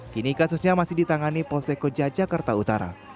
kini kasusnya masih ditangani polseko jajakar